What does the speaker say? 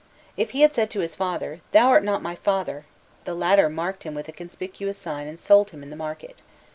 If he had said to his father, "Thou art not my father!" the latter marked him with a conspicuous sign and sold him in the market.